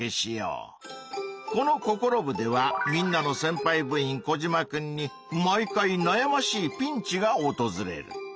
この「ココロ部！」ではみんなのせんぱい部員コジマくんに毎回なやましいピンチがおとずれる。